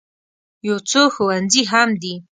یو څو ښوونځي هم دي.